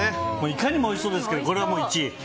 いかにもおいしそうですけどこれが１位。